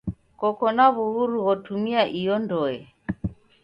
Koko na w'uhuru ghotumia iyo ndoe.